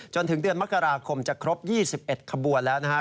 จนถึงเดือนมกราคมจะครบ๒๑ขบวนแล้วนะครับ